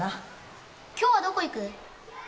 今日はどこ行く？